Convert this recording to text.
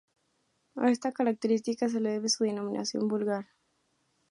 A esta característica se le debe su denominación vulgar.